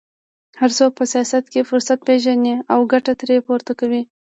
هر څوک په سیاست کې فرصت پېژني او ګټه ترې پورته کوي